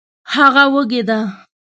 هغه وږې ده